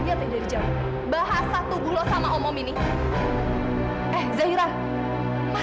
apa udah kelasnya ya